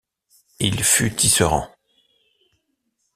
Il fut tisserand.